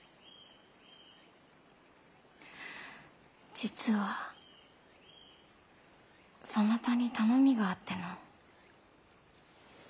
実はそなたに頼みがあっての。